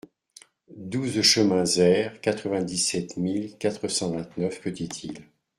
douze chemin Zaire, quatre-vingt-dix-sept mille quatre cent vingt-neuf Petite-Île